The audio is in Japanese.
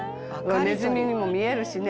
「ネズミにも見えるしね。